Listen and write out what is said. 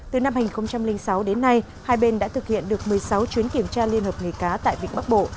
từ năm hai nghìn sáu đến nay hai bên đã thực hiện được một mươi sáu chuyến kiểm tra liên hợp nghề cá tại vịnh bắc bộ